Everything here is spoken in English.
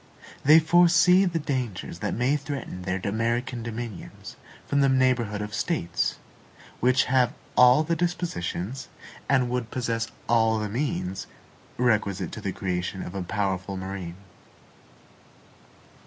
They foresee the dangers that may threaten their American dominions from the neighborhood of States, which have all the dispositions, and would possess all the means, requisite to the creation of a powerful marine.